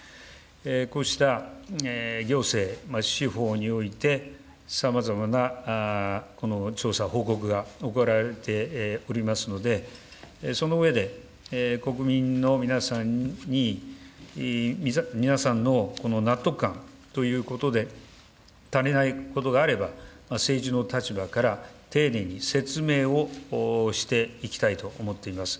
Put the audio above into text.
こうした行政、司法において、さまざまな調査、報告が行われておりますので、その上で、国民の皆さんに、皆さんの納得感ということで、足りないことがあれば、政治の立場から、丁寧に説明をしていきたいと思っています。